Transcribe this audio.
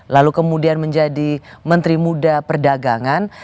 lalu kemudian menjadi menteri muda perdagangan